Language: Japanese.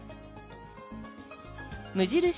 無印